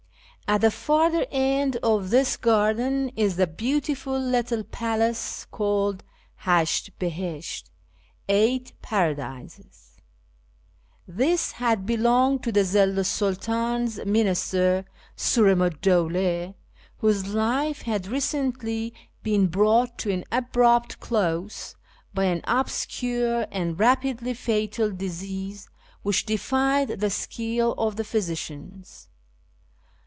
At the farther end of this garden is the beautiful little palace called Ilasht Bihisht (" Eight Paradises "). This had belonged to the Zillu 's Sultan's minister, Sdrimu \l Dawla, whose life had recently been brought to an abrupt close by an obscure and rapidly fatal disease which defied the skill of the physicians.